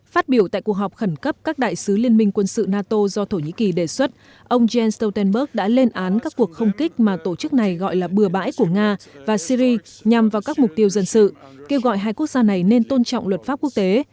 phát biểu tại cuộc họp khẩn cấp các đại sứ liên minh quân sự nato do thổ nhĩ kỳ đề xuất ông jens stoltenberg đã lên án các cuộc không kích mà tổ chức này gọi là bừa bãi của nga và syri nhằm vào các mục tiêu dân sự kêu gọi hai quốc gia này nên tôn trọng luật pháp quốc tế